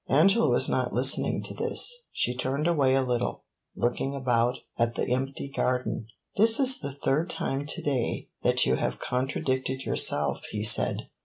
Angela was not listening to this; she turned away a little, looking about at the empty garden. "This is the third time to day that you have contradicted yourself," he said.